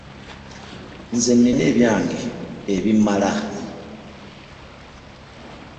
Nze nnina ebyange ebimmala.